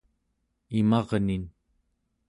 imarnin